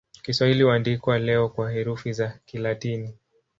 Kiswahili huandikwa leo kwa herufi za Kilatini.